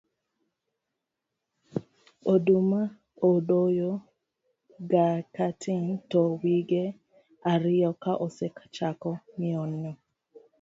oduma idoyo ga katin to wige ariyo ka osechako mienyo